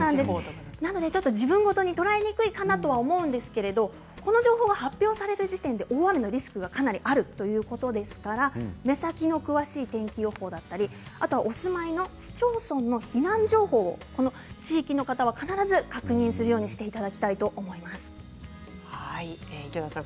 自分事に捉えにくいかなと思うんですけれども、この情報が発表される時点で大雨のリスクがかなりあるということですから目先の詳しい天気予報だったりお住まいの市町村の避難情報をこの地域の方は必ず確認するようにしていただきたいと思います。